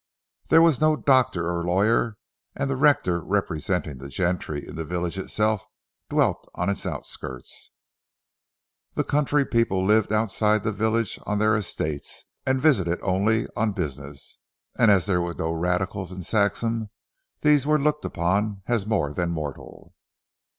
There was no doctor or lawyer and the rector representing the gentry in the village itself, dwelt on its outskirts. The country people lived outside the village on their estates and visited it only on business; and as there were no Radicals in Saxham, these were looked upon as more than mortal.